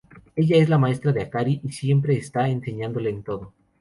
Ella es la maestra de Akari, y siempre está enseñándole en todo.